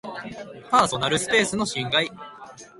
パーソナルスペースの侵害